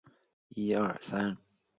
膜荚见血飞是豆科云实属的植物。